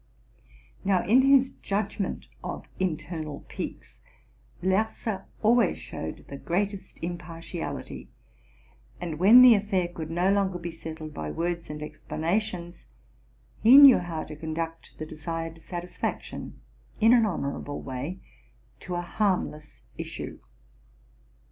Now, in his judgment of internal piques, Lerse always showed the greatest impartiality ; and, when the affair 310 TRUTH AND FICTION could no longer be settled by words and explanations, he knew how to conduct the desired satisfaction, in an honora ble way, to a harmless issue.